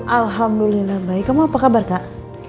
alhamdulillah baik kamu apa kabar kak